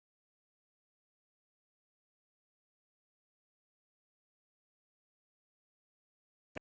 โปรดติดตามต่อไป